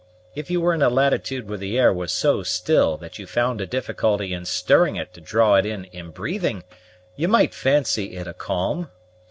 If you were in a latitude where the air was so still that you found a difficulty in stirring it to draw it in in breathing, you might fancy it a calm.